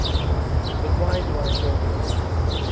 "But why do I talk of Death?